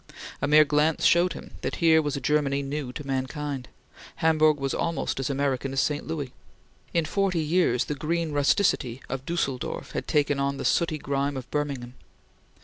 A mere glance showed him that here was a Germany new to mankind. Hamburg was almost as American as St. Louis. In forty years, the green rusticity of Dusseldorf had taken on the sooty grime of Birmingham.